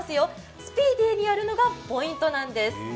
スピーディーにやるのがポイントです。